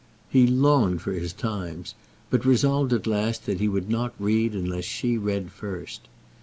He longed for his Times, but resolved at last that he would not read unless she read first.